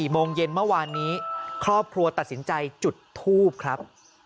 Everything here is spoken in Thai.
โมงเย็นเมื่อวานนี้ครอบครัวตัดสินใจจุดทูบครับ